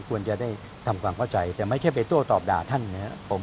ควรจะได้ทำความเข้าใจแต่ไม่ใช่ไปโต้ตอบด่าท่านนะครับ